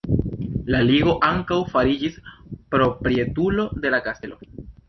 La ligo ankaŭ fariĝis proprietulo de la kastelo.